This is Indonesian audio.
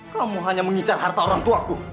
kamu hanya menghicar harta orangtuaku